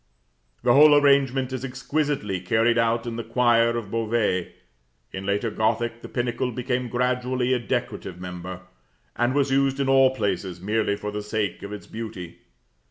The whole arrangement is exquisitely carried out in the choir of Beauvais. In later Gothic the pinnacle became gradually a decorative member, and was used in all places merely for the sake of its beauty.